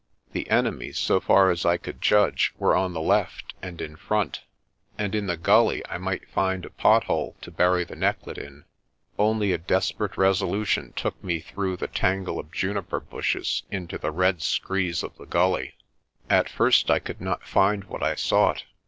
The enemy, so far as I could judge, were on the left and in front, and in the gully I might find a pothole to bury the necklet in. Only a des perate resolution took me through the tangle of juniper bushes into the red screes of the gully. At first I could not find what I sought.